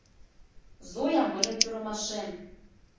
— Зоя — мыйын пӱрымашем.